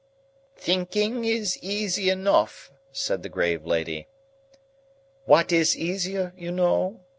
"Thinking is easy enough," said the grave lady. "What is easier, you know?"